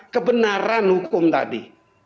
kebenaran hukum tadi